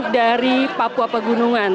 dari papua pegunungan